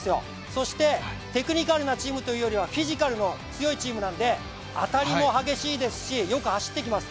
そしてテクニカルなチームというよりはフィジカルの強いチームなので当たりも激しいですし、よく走ってきます。